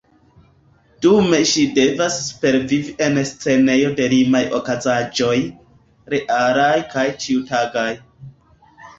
Dume ŝi devas supervivi en scenejo de limaj okazaĵoj, realaj kaj ĉiutagaj.